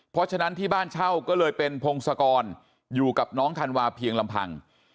เพราะฉะนั้นที่บ้านเช่าก็เลยเป็นพงศกรอยู่กับน้องธันวาเพียงลำพัง